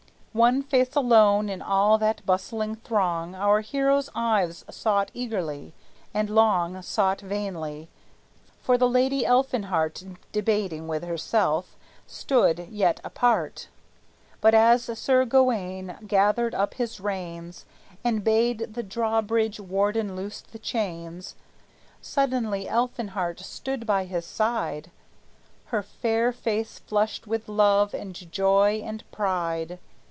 One face alone in all that bustling throng Our hero's eyes sought eagerly, and long Sought vainly; for the lady Elfinhart, Debating with herself, stood yet apart; But as Sir Gawayne gathered up his reins And bade the draw bridge warden loose the chains, Suddenly Elfinhart stood by his side, Her fair face flushed with love, and joy, and pride.